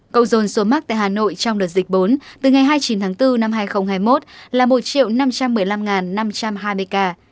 cậu dồn số mắc tại hà nội trong đợt dịch bốn từ ngày hai mươi chín tháng bốn năm hai nghìn hai mươi một là một năm trăm một mươi năm năm trăm hai mươi ca